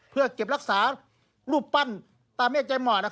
เพื่อเก็บรักษารูปปั้นตาเมฆใจหมอ